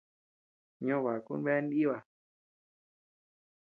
Ño baku bea nʼíba.